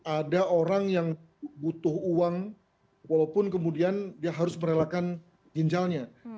ada orang yang butuh uang walaupun kemudian dia harus merelakan ginjalnya